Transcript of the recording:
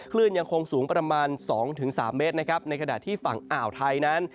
คลื่นยังคงสูงประมาณ๒๓เมตรนะครับในขณะที่ฝั่งอ่าวไทยนั้น